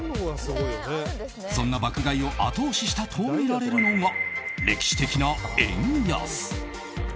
そんな爆買いを後押ししたとみられるのが歴史的な円安。